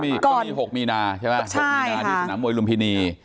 มี๖มีนาที่สนามมวยลุมพินี